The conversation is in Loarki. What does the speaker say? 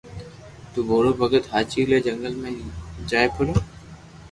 تو ڀورو ڀگت ھاچي لي جنگل جائي پرو